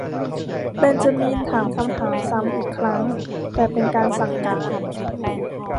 เบนจามินถามคำถามซ้ำอีกครั้ง แต่เป็นการสั่งการ